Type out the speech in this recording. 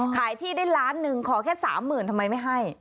ขายที่ได้ล้านหนึ่งขอแค่๓๐๐๐ทำไมไม่ให้